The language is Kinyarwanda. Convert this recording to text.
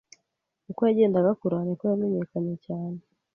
Uko yagendaga akura, niko yamenyekanye cyane.